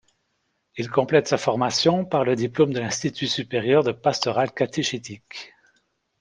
Il complète sa formation par le diplôme de l'Institut supérieur de pastorale catéchétique.